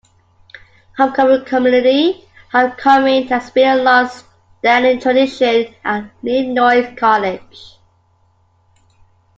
Homecoming Committee: Homecoming has been a long-standing tradition at Illinois College.